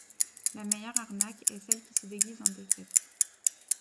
La meilleure arnaque est celle qui se déguise en défaite.